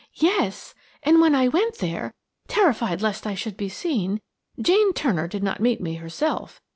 "Yes! And when I went there–terrified lest I should be seen–Jane Turner did not meet me herself.